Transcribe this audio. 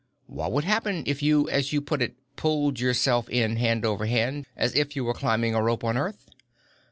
What would happen if you, as you put it, pulled yourself in hand over hand, as if you were climbing a rope on Earth?"